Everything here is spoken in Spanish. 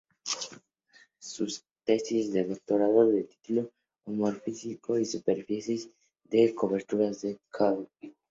Su tesis de doctorado se tituló "Automorfismos y superficies de coberturas de Klein.